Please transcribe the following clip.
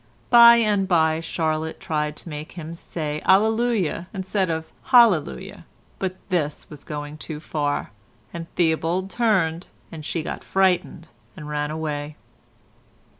By and by Charlotte tried to make him say "Alleluia" instead of "Hallelujah," but this was going too far, and Theobald turned, and she got frightened and ran away.